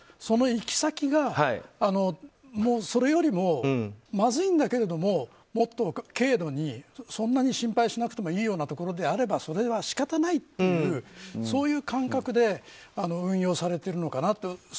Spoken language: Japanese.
その行き先がそれよりもまずいんだけれどももっと軽度でそんなに心配しなくてもいいところであればそれは仕方ないという感覚で運用されているのかなと。